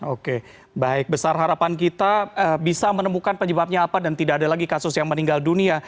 oke baik besar harapan kita bisa menemukan penyebabnya apa dan tidak ada lagi kasus yang meninggal dunia